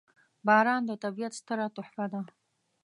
• باران د طبیعت ستره تحفه ده.